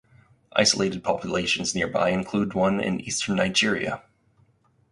Isolated populations nearby include one in eastern Nigeria.